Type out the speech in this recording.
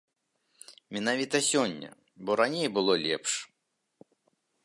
Менавіта сёння, бо раней было лепш.